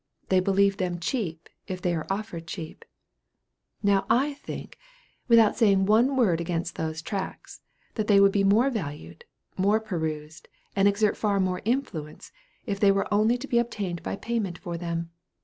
They believe them cheap, if they are offered cheap. Now I think, without saying one word against those tracts, that they would be more valued, more perused, and exert far more influence, if they were only to be obtained by payment for them.